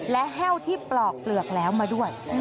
และแห้วที่ปลอกเปลือกแล้วมาด้วย